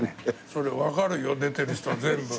それ分かるよ出てる人全部。